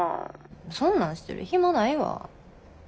そんなんしてる暇ないわ。